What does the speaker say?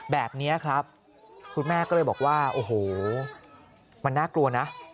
แบบนี้ครับคุณแม่ก็เลยบอกว่าโอ้โหมันน่ากลัวนะ